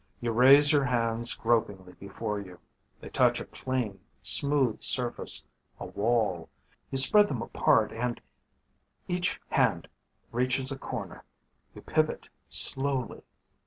You raise your hands gropingly before you. They touch a plain smooth surface, a wall. You spread them apart and each hand reaches a corner. You pivot slowly.